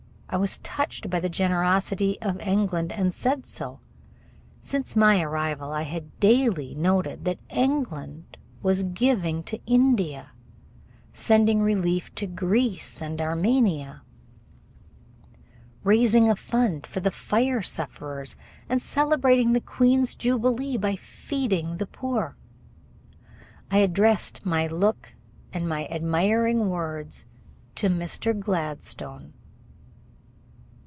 I was touched by the generosity of England, and said so. Since my arrival I had daily noted that England was giving to India, sending relief to Greece and Armenia, raising a fund for the fire sufferers, and celebrating the Queen's Jubilee by feeding the poor. I addressed my look and my admiring words to Mr. Gladstone.